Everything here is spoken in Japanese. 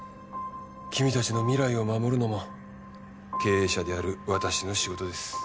君たちの未来を守るのも経営者である私の仕事です。